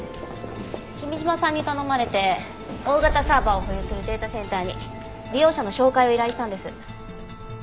君嶋さんに頼まれて大型サーバーを保有するデータセンターに利用者の照会を依頼したんです。